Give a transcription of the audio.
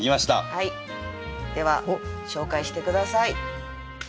はいでは紹介して下さい。